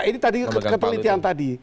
nah ini tadi kepelitian tadi